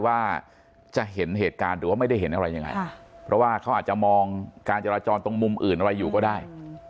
ว่าจะเห็นเหตุการณ์หรือว่าไม่ได้เห็นอะไรยังไงเพราะว่าเขาอาจจะมองการจราจรตรงมุมอื่นอะไรอยู่ก็ได้